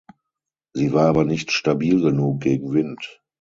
Sie war aber nicht stabil genug gegen Wind.